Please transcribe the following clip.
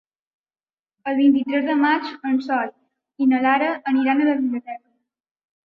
El vint-i-tres de maig en Sol i na Lara aniran a la biblioteca.